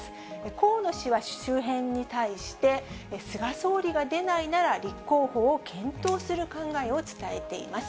河野氏は周辺に対して、菅総理が出ないなら立候補を検討する考えを伝えています。